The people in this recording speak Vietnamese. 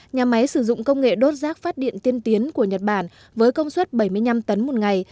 nhà máy sử dụng công nghệ đốt rác phát điện tiên tiến của nhật bản với công suất bảy mươi năm tấn một ngày